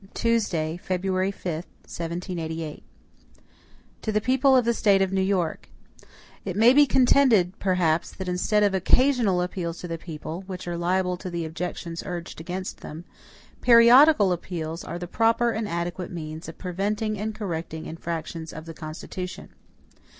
Tuesday, February 5, 1788. MADISON To the People of the State of New York: IT MAY be contended, perhaps, that instead of OCCASIONAL appeals to the people, which are liable to the objections urged against them, PERIODICAL appeals are the proper and adequate means of PREVENTING AND CORRECTING INFRACTIONS OF THE CONSTITUTION.